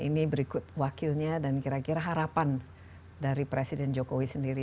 ini berikut wakilnya dan kira kira harapan dari presiden jokowi sendiri